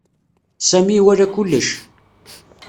Sami iwala kullec.